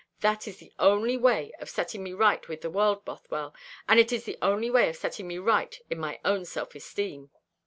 That is the only way of setting me right with the world, Bothwell; and it is the only way of setting me right in my own self esteem."